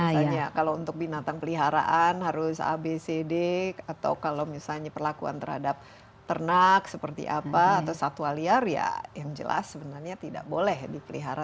misalnya kalau untuk binatang peliharaan harus abcd atau kalau misalnya perlakuan terhadap ternak seperti apa atau satwa liar ya yang jelas sebenarnya tidak boleh dipelihara